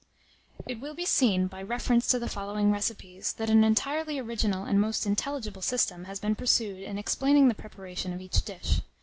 [_It will be seen, by reference to the following Recipes, that an entirely original and most intelligible system has been pursued in explaining the preparation of each dish.